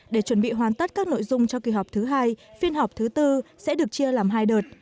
để chuẩn bị hoàn tất các nội dung cho kỳ họp thứ hai phiên họp thứ tư sẽ được chia làm hai đợt